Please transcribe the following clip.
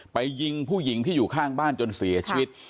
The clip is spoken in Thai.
ยิงผู้หญิงที่อยู่ข้างบ้านจนเสียชีวิต